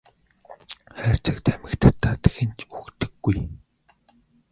Хайрцаг тамхи татаад хэн ч үхдэггүй.